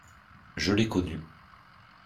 Je l’ai connue.